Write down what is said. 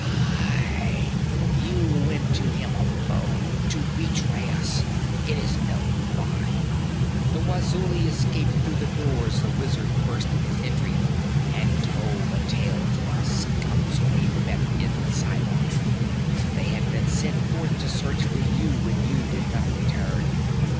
'Aye! You went to him alone! To betray us! It is no lie. The Wazuli escaped through the doors the wizard burst in his entry, and told the tale to our scouts whom he met in Zhaibar. They had been sent forth to search for you, when you did not return.